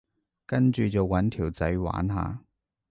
跟住就搵條仔玩下